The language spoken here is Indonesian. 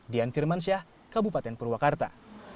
dian firmansyah kabupaten purwakarta